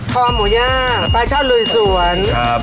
คอหมูย่างปลาชอลุยสวนครับ